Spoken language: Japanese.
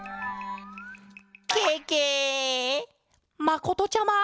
まことちゃま！